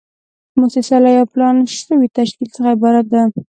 موسسه له یو پلان شوي تشکیل څخه عبارت ده.